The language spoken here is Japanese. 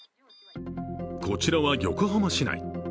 こちらは横浜市内。